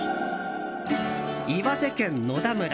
岩手県野田村。